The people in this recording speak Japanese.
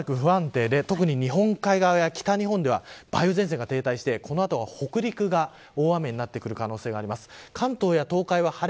こちらは、しばらく不安定で特に日本海側や北日本では梅雨前線が停滞してこの後は北陸が大雨になってくる可能性があります。